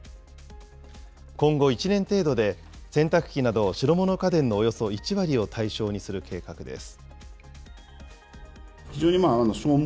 今後１年程度で、洗濯機など白物家電のおよそ１割を対象にする計画です。